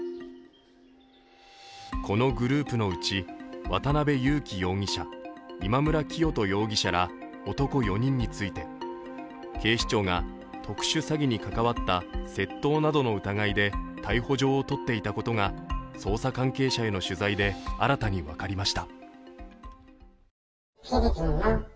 このグループのうち渡辺優樹容疑者、今村磨人容疑者ら男４人について警視庁が特殊詐欺に関わった窃盗などの疑いで逮捕状を取っていたことが捜査関係者への取材で新たに分かりました。